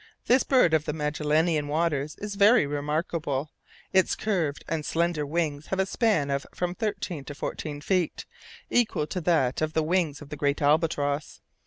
This bird of the Magellanian waters is very remarkable; its curved and slender wings have a span of from thirteen to fourteen feet, equal to that of the wings of the great albatross.